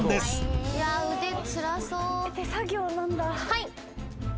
はい。